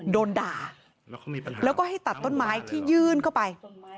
โดนด่าแล้วก็ให้ตัดต้นไม้ที่ยื่นเข้าไป